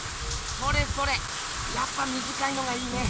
それそれやっぱみじかいのがいいね。